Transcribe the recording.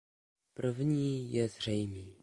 První je zřejmý.